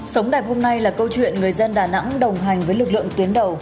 sống đẹp hôm nay là câu chuyện người dân đà nẵng đồng hành với lực lượng tuyến đầu